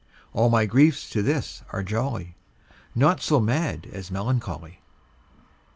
All my griefs to this are jolly, Naught so mad as melancholy.